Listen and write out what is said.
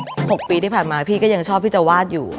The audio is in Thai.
๖ปีที่ผ่านมาพี่ก็ยังชอบที่จะวาดอยู่